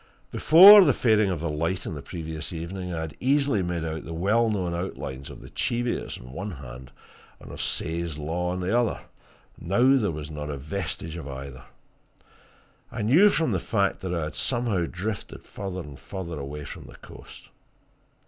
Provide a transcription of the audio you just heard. Before the fading of the light on the previous evening, I had easily made out the well known outlines of the Cheviots on one hand and of Says Law on the other now there was not a vestige of either. I knew from that fact that I had somehow drifted further and further away from the coast.